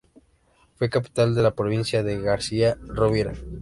Fue capital de la provincia de García Rovira.